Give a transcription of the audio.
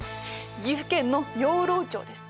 岐阜県の養老町です。